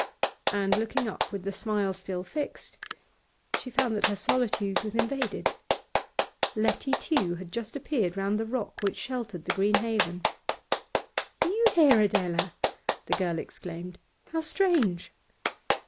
And, looking up with the smile still fixed, she found that her solitude was invaded. Letty Tew had just appeared round the rock which sheltered the green haven. 'You here, Adela?' the girl exclaimed. 'How strange!